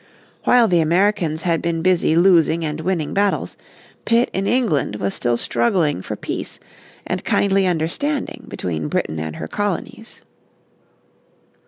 Wile the Americans had been busy losing and winning battles, Pitt in England was still struggling for peace and kindly understanding between Britain and her colonies.